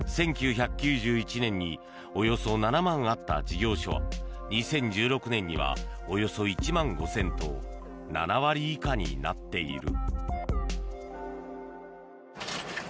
１９９１年におよそ７万あった事業所は２０１６年にはおよそ１万５０００と７割以下になっている。